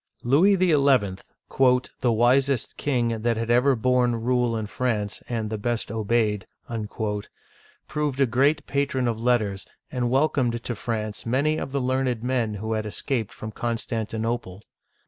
Louis XL, "the wisest king that had ever borne rule in France, and the best obeyed," proved a great patron of let ters, and welcomed to France many of the learned men who had escaped from Constantinople.